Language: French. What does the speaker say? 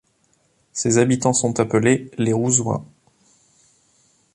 Ses habitants sont appelés les Rouzois.